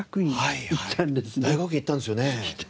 大学院行ったんですよね？